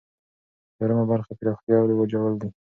څلورمه برخه پراختیا او رواجول دي.